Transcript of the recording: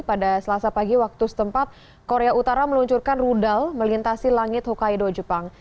pada selasa pagi waktu setempat korea utara meluncurkan rudal melintasi langit hokhaido jepang